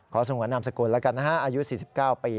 ขอส่งหวัดนำสกุลแล้วกันอายุ๔๙ปี